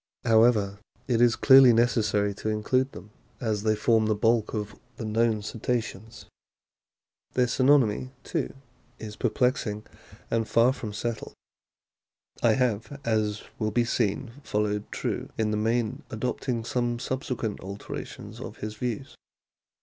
How ever, it is clearly necessary to include them, as they form the bulk of the known Cetaceans. Their synonymy, too, is perplexing and far from settled. I have, as will be seen, followed True in the main, adopting some subsequent alterations of his views.